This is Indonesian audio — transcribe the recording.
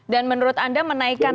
dan menurut anda menaikkan